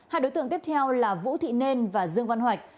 hai đối tượng tiếp theo là vũ thị nên và dương văn hoạch